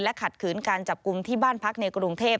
ขัดขืนการจับกลุ่มที่บ้านพักในกรุงเทพ